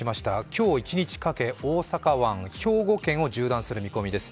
今日一日かけ、大阪湾、兵庫県を縦断する見込みです。